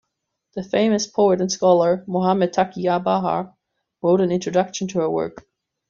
The famous poet and scholar Mohammad Taqi Bahar wrote an introduction to her work.